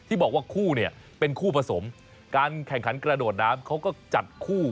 บอกว่าคู่เนี่ยเป็นคู่ผสมการแข่งขันกระโดดน้ำเขาก็จัดคู่